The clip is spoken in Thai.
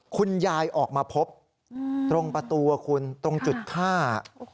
คุณยายออกมาพบตรงประตูคุณตรงจุดฆ่า